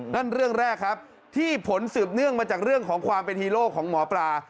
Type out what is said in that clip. นั่นเรื่องแรกครับที่ผลสืบเนื่องมาจากเรื่องของความเป็นฮีโร่ของหมอปลา